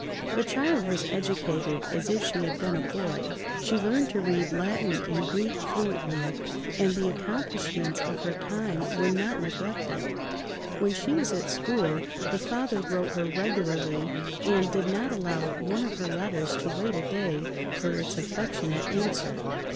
The child was educated as if she had been a boy. She learned to read Latin and Greek fluently, and the accomplishments of her time were not neglected. [Pg 67]When she was at school, the father wrote her regularly, and did not allow one of her letters to wait a day for its affectionate answer.